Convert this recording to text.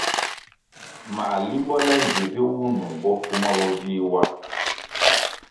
Mā limbo le mbpi vi wum nung bopfuma bo vih wa.